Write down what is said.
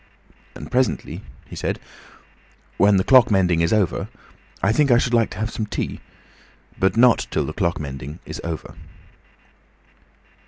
"And presently," he said, "when the clock mending is over, I think I should like to have some tea. But not till the clock mending is over."